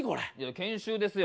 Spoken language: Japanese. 研修ですよ。